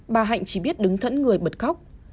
bà hạnh chỉ biết đứng thẫn người bật khóc